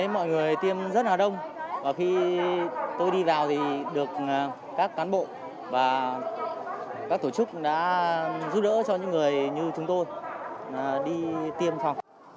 mọi người tiêm rất là đông và khi tôi đi vào thì được các cán bộ và các tổ chức đã giúp đỡ cho những người như chúng tôi đi tiêm phòng